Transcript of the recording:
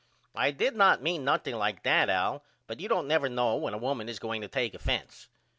I did not mean nothing like that Al but you don't never know when a woman is going to take offense.